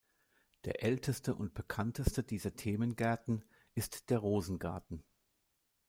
Der älteste und bekannteste dieser Themengärten ist der Rosengarten.